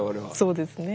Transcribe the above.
そうですね。